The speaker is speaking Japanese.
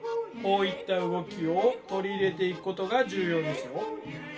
こういった動きを取り入れていくことが重要ですよ。